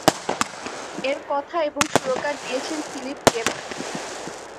এর কথা এবং সুরকার দিয়েছেন ফিলিপ গেবহো।